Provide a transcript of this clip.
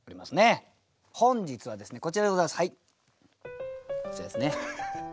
本日はですねこちらでございます。